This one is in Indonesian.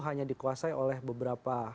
hanya dikuasai oleh beberapa